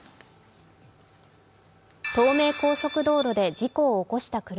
東名高速道路で事故を起こした車。